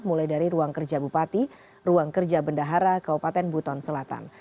mulai dari ruang kerja bupati ruang kerja bendahara kabupaten buton selatan